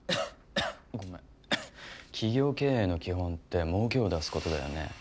ごめん企業経営の基本って儲けを出すことだよね